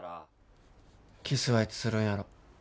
キスはいつするんやろ。